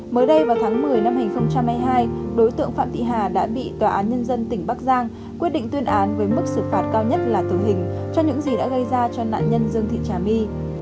mới đây vào tháng một mươi năm hai nghìn hai mươi hai đối tượng phạm thị hà đã bị tòa án nhân dân tỉnh bắc giang quyết định tuyên án với mức xử phạt cao nhất là tử hình cho những gì đã gây ra cho nạn nhân dương thị trà my